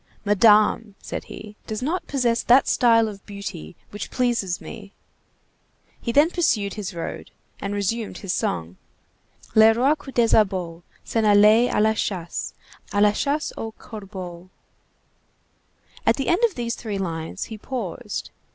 "Madame," said he, "does not possess that style of beauty which pleases me." He then pursued his road, and resumed his song:— "Le roi Coupdesabot S'en allait à la chasse, À la chasse aux corbeaux—" At the end of these three lines he paused.